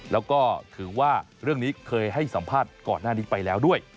แล้วก็ถือว่าเรื่องนี้เคยให้สัมภาษณ์ก่อนหน้านี้ไปแล้วด้วย